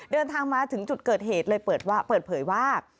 เดินทางมาถึงจุดเกิดเหตุเลยเปิดเผยว่า